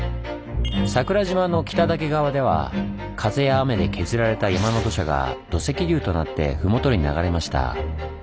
桜島の北岳側では風や雨で削られた山の土砂が土石流となって麓に流れました。